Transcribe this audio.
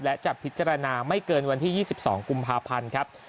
และจะพิจารณาไม่เกินวันที่๒๒กุมภาพันธ์ครับ